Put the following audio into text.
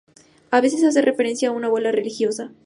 A veces hace referencias a una abuela religiosa.